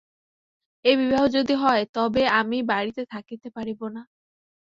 এ বিবাহ যদি হয় তবে আমি বাড়িতে থাকিতে পারিব না।